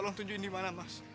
tolong tunjukin dimana mas